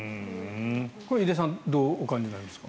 これは井手さんどうお感じになりますか？